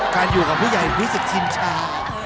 อยู่กับผู้ใหญ่วิสิทธิชินชา